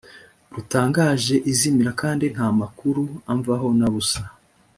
rutangaje izimira kandi nta makuru amvaho na busa